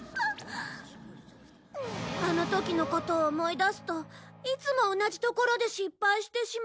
あの時のことを思い出すといつも同じところで失敗してしまうの。